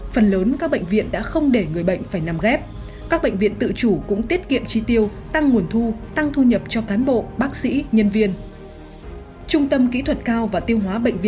phần lớn các bệnh viện đã không để người bệnh phải nằm ghép các bệnh viện tự chủ cũng tiết kiệm chi tiêu tăng nguồn thu tăng thu nhập cho cán bộ bác sĩ nhân viên